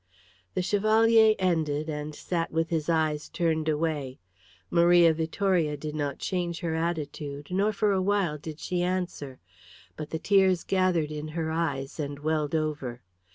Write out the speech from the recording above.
The Chevalier ended and sat with his eyes turned away. Maria Vittoria did not change her attitude, nor for a while did she answer, but the tears gathered in her eyes and welled over.